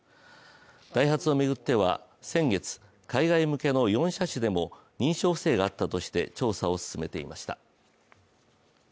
ダイハツを巡っては先月海外向けの４車種でも認証不正があったとして調査を進めていました。